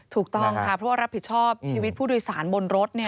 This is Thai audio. ถูกต้องค่ะเพราะว่ารับผิดชอบชีวิตผู้โดยสารบนรถ